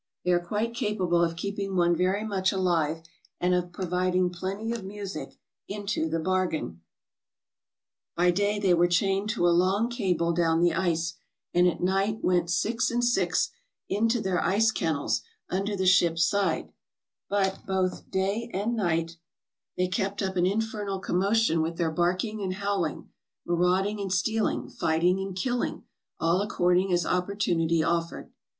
They are quite capable of keeping one very much alive, and of providing plenty of music into the bargain. By 504 TRAVELERS AND EXPLORERS day they were chained to a long cable down the ice, and at night went, six and six, into their ice kennels under the ship's side; but, both night and day, they kept up an infernal commotion with their barking and howling, marauding and stealing, fight ing and killing, all according as opportunity offered.